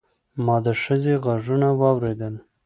ما د ښځې غږونه واورېدل.